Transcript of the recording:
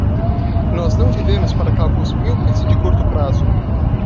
Nós não vivemos para cálculos míopes e de curto prazo.